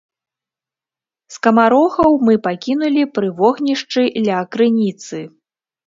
Скамарохаў мы пакінулі пры вогнішчы ля крыніцы.